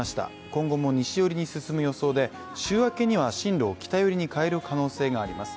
今後も西寄りに進む予想で、週明けには進路を北寄りに変える可能性があります。